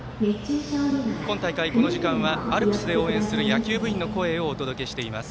今大会、この時間はアルプスで応援する野球部員の声お届けしています。